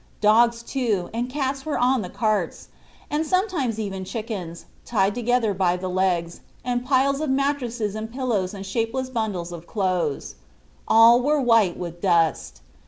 Dogs, too, and cats were on the carts, and sometimes even chickens, tied together by the legs, and piles of mattresses and pillows and shapeless bundles of clothes. All were white with dust.